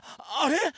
あれ？